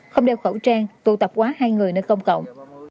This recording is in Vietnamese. không đeo khẩu trang tụ tập quá hai người nơi công cộng